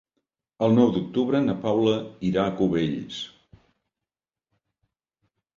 El nou d'octubre na Paula irà a Cubells.